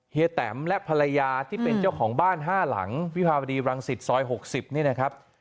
แตมและภรรยาที่เป็นเจ้าของบ้าน๕หลังวิภาวดีรังสิตซอย๖๐นี่นะครับ